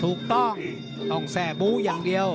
ถูกต้องต้องแทร่บู้อย่างเดียว